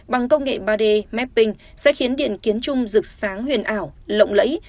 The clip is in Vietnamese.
bằng công nghệ ba d mapping sẽ khiến điện kiến trung rực sáng huyền ảo lộng lẫy